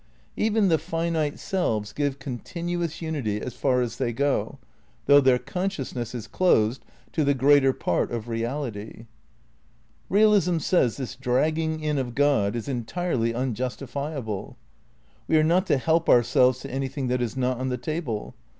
Even the finite selves give continuous unity as far' as they go, though their consciousness is closed to the greater part of reality. Eealism says this dragging in of God is entirely un justifiable. We are not to help ourselves to anything that is not on the table.